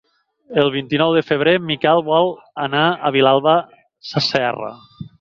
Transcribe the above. El vint-i-nou de febrer en Miquel vol anar a Vilalba Sasserra.